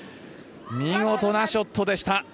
見事なショットでした。